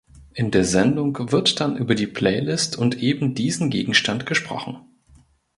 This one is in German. In der Sendung wird dann über die Playlist und eben diesen Gegenstand gesprochen.